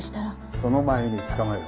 その前に捕まえろ。